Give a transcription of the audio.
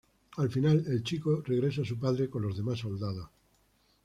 Al final, el chico regresa a su padre, con los demás soldados.